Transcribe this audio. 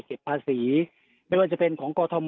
ภาษีไม่ว่าจะเป็นของกรทม